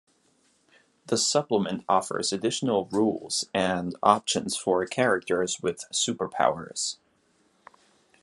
The supplement offers additional rules and options for characters with superpowers.